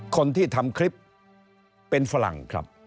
คนที่ทำคลิปเป็นฝรั่งครับ